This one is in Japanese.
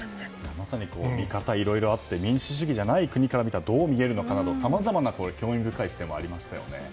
まさに見方がいろいろあって民主主義じゃない国から見たらどう見えるのかとかさまざまな興味深い視点もありましたよね。